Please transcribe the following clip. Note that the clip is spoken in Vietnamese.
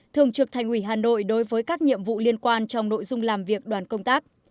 thường trực thành ủy hà nội đối với các nhiệm vụ liên quan trong nội dung làm việc đoàn công tác